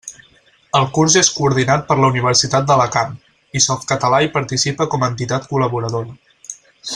El curs és coordinat per la Universitat d'Alacant, i Softcatalà hi participa com a entitat col·laboradora.